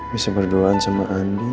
bisa berduaan sama andi